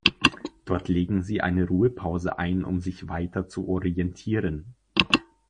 Dort legen sie eine Ruhepause ein, um sich weiter zu orientieren.